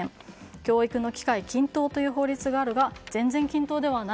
教育の機会均等という法律があるが全然均等ではない。